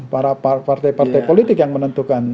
para partai partai politik yang menentukan